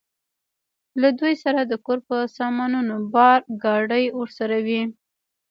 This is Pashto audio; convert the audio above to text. له دوی سره د کور په سامانونو بار، ګاډۍ ورسره وې.